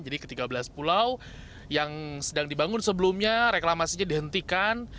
jadi ke tiga belas pulau yang sedang dibangun sebelumnya reklamasinya dihentikan